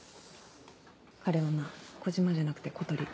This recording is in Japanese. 彼はな「小島」じゃなくて「小鳥」。